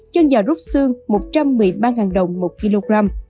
chân gà rút xương một trăm một mươi ba đồng một kg